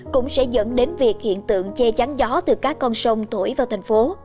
cũng sẽ dẫn đến việc hiện tượng che chắn gió từ các con sông thổi vào thành phố